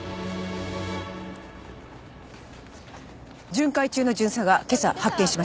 巡回中の巡査が今朝発見しました。